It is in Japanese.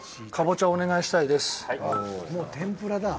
もう天ぷらだ。